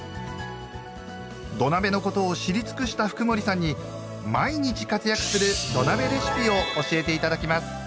土鍋のことを知り尽くした福森さんに毎日活躍する土鍋レシピを教えていただきます。